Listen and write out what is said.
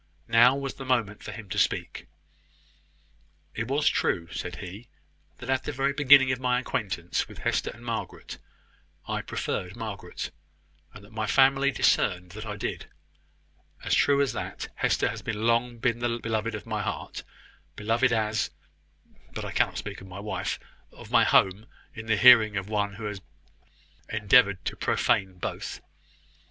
Now was the moment for him to speak. "It was true," said he, "that, at the very beginning of my acquaintance with Hester and Margaret, I preferred Margaret and that my family discerned that I did as true as that Hester has long been the beloved of my heart beloved as but I cannot speak of my wife, of my home, in the hearing of one who has endeavoured to profane both.